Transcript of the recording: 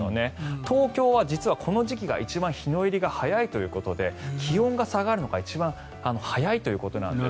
東京は実はこの時期が一番日の入りが早いということで気温が下がるのが一番早いということなんです。